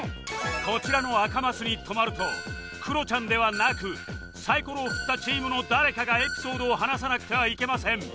こちらの赤マスに止まるとクロちゃんではなくサイコロを振ったチームの誰かがエピソードを話さなくてはいけません